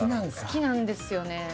好きなんですよね。